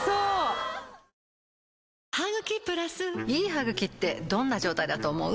いい歯ぐきってどんな状態だと思う？